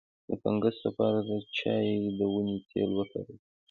د فنګس لپاره د چای د ونې تېل وکاروئ